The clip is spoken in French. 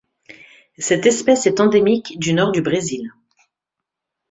Cette espèce est endémique du Nord du Brésil.